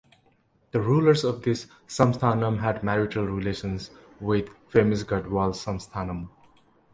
The rulers of this Samsthanam had marital relations with famous Gadwal Samsthanam.